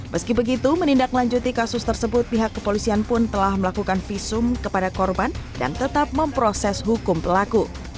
meski begitu menindaklanjuti kasus tersebut pihak kepolisian pun telah melakukan visum kepada korban dan tetap memproses hukum pelaku